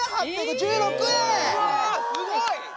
すごい！